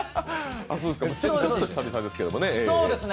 ちょっと久々ですけどね。